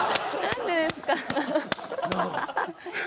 何でですか。